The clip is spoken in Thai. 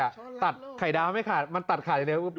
มันตัดขาดอย่างนี้บาดปากแล้ว